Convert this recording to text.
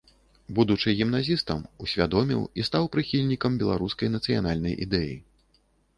Будучы гімназістам, усвядоміў і стаў прыхільнікам беларускай нацыянальнай ідэі.